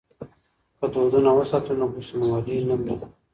که دودونه وساتو نو پښتونوالي نه مري.